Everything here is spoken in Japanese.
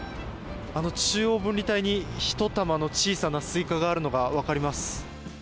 あの中央分離帯に１玉の小さいスイカがあるのが分かります。